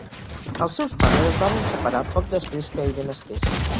Els seus pares es varen separar poc després que ella nasqués.